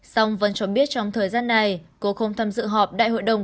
song vân cho biết trong thời gian này cô không tham dự họp đại hội đồng